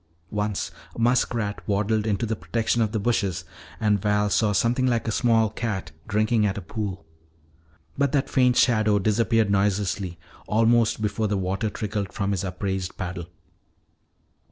Once a muskrat waddled into the protection of the bushes. And Val saw something like a small cat drinking at a pool. But that faint shadow disappeared noiselessly almost before the water trickled from his upraised paddle.